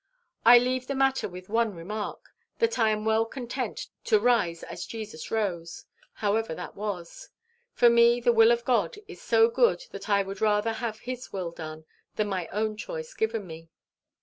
I leave the matter with one remark, that I am well content to rise as Jesus rose, however that was. For me the will of God is so good that I would rather have his will done than my own choice given me.